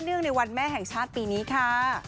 ในวันแม่แห่งชาติปีนี้ค่ะ